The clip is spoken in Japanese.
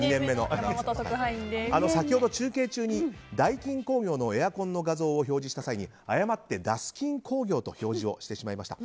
先ほど、ダイキン工業のエアコンの画像を表示した時に誤ってダスキン工業と表示してしまいました。